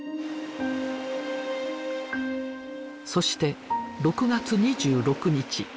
そして６月２６日。